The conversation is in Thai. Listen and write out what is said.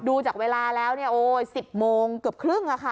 ดูจากเวลาแล้ว๑๐โมงเกือบครึ่งอะค่ะ